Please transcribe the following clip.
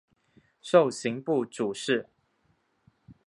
授刑部主事。